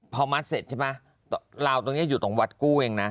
พอมัดเสร็จใช่ไหมลาวตรงนี้อยู่ตรงวัดกู้เองนะ